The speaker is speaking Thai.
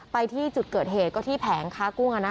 ไปที่จุดเกิดเหตุก็ที่แผงค้ากุ้ง